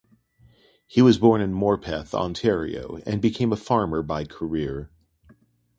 He was born in Morpeth, Ontario and became a farmer by career.